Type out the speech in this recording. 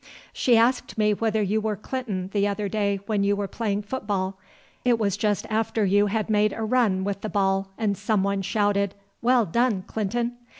"She asked me whether you were Clinton the other day when you were playing football. It was just after you had made a run with the ball, and some one shouted, 'Well done, Clinton!'